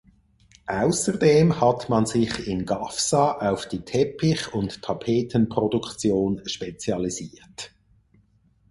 Außerdem hat man sich in Gafsa auf die Teppich- und Tapeten-Produktion spezialisiert.